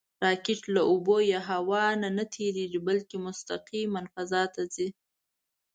راکټ له اوبو یا هوا نه نهتېرېږي، بلکې مستقیم فضا ته ځي